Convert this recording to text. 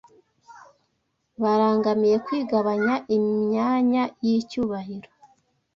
barangamiye kwigabanya imyanya y’icyubahiro